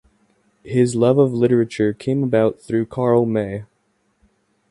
His love of literature came about through Karl May.